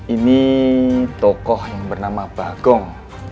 ini tokoh yang bernama bagong